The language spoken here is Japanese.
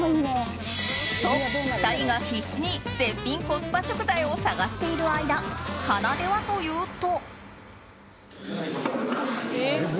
と、２人が必死に絶品コスパ食材を探している間かなではというと。